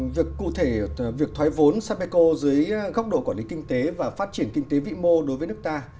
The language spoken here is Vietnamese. việc cụ thể việc thoái vốn sapeco dưới góc độ quản lý kinh tế và phát triển kinh tế vĩ mô đối với nước ta